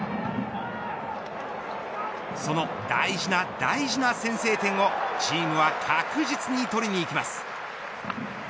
その大事な大事な先制点をチームは確実に取りにいきます。